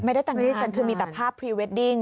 ไม่ได้แต่งงานกันมีแต่ภาพพรีเวดดิ้ง